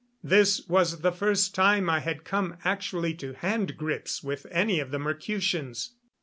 This was the first time I had come actually to hand grips with any of the Mercutians.